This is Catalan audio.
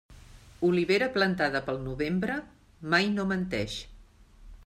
Olivera plantada pel novembre, mai no menteix.